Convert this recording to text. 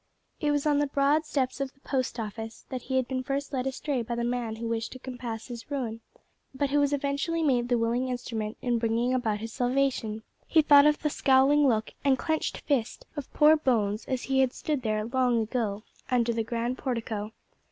It was on the broad steps of the Post Office that he had been first led astray by the man who wished to compass his ruin, but who was eventually made the willing instrument in bringing about his salvation. He thought of the scowling look and clenched fist of poor Bones as he had stood there, long ago, under the grand portico.